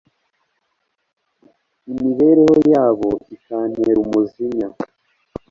imibereho yabo ikantera umujinya